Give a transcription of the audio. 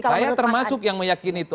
saya termasuk yang meyakini itu